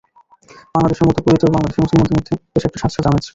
বাংলাদেশের মতো কুয়েতেও বাংলাদেশি মুসলমানদের মধ্যে বেশ একটা সাজ সাজ আমেজ।